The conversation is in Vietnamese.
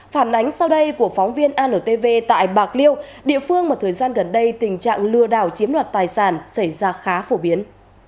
phản ánh sau đây của phóng viên antv tại bạc liêu địa phương mà thời gian gần đây tình trạng lừa đảo chiếm đoạt tài sản xảy ra khá phổ biến